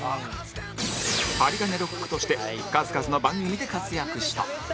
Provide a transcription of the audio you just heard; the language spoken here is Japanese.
ハリガネロックとして数々の番組で活躍した